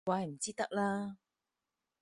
唔怪之得啦